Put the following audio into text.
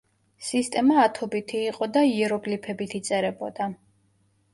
სისტემა ათობითი იყო და იეროგლიფებით იწერებოდა.